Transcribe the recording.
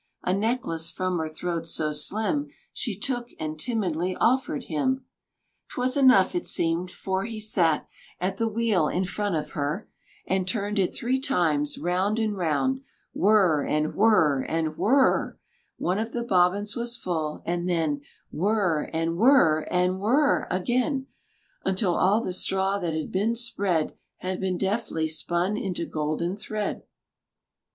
A necklace from her throat so slim She took, and timidly offered him. 'Twas enough, it seemed; for he sat At the wheel in front of her, And turned it three times round and round, Whirr, and whirr rr, and whirr rr rr One of the bobbins was full; and then, Whirr, and whirr rr, and whirr rr rr again, Until all the straw that had been spread Had been deftly spun into golden thread.